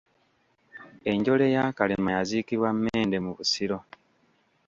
Enjole ya Kalema yaziikibwa Mmende mu Busiro.